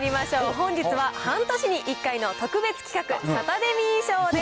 本日は半年に一回の特別企画、サタデミー賞です。